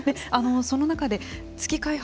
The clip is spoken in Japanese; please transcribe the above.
その中で月開発